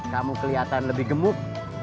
kamu keliatan lebih gemuk